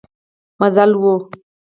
مزل و.